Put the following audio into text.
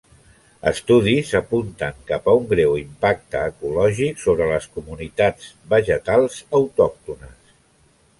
Estudis apunten cap a un greu impacte ecològic sobre les comunitats vegetals autòctones.